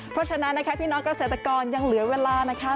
เพราะฉะนั้นนะคะพี่น้องเกษตรกรยังเหลือเวลานะคะ